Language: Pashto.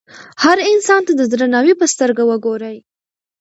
هر انسان ته د درناوي په سترګه وګورئ.